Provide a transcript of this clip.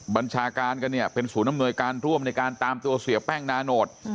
บัญชาการกันเนี่ยเป็นศูนย์อำนวยการร่วมในการตามตัวเสียแป้งนาโนต